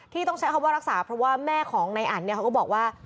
ที่ต้องใช้คำว่ารักษาเพราะว่าแม่ของในอันเขาก็บอกว่า